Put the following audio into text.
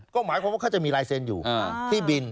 ก็หมายความว่าเขาจะมีลายเซ็นต์อยู่ที่บิน